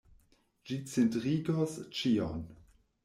Ĝi cindrigos ĉion.